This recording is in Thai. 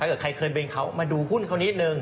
เกิดใครเคยเป็นเขามาดูหุ้นเขานิดนึง